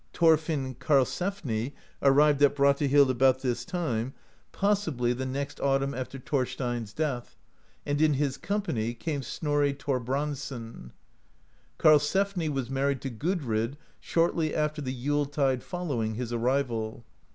Thorfinn Karlsefni arrived at Brattahlid about this time, possibly 25 AMERICA DISCOVERED BY NORSEMEN the next autumn after Thorstein's death, and in his com pany came Snorri Thorbrandsson. Karlsefni was mar ried to Gudrid shortly after the Yule tide following his arrival.